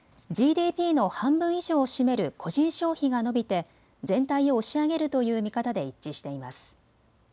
ＧＤＰの半分以上を占める個人消費が伸びて全体を押し上げるという見方で一致しています。